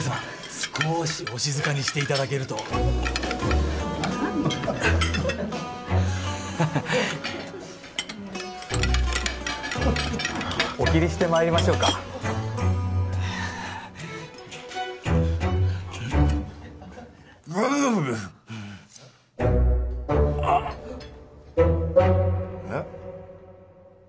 少しお静かにしていただけるとハハッお切りしてまいりましょうか大丈夫ですあッえッ？